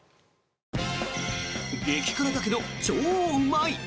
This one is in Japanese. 激辛だけど超うまい！